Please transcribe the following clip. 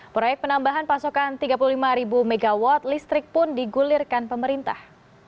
proyek penambahan pasokan tiga puluh lima mw listrik pun digulirkan pemerintah